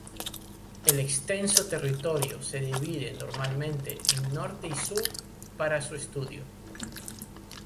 El extenso territorio se divide normalmente en norte y sur, para su estudio.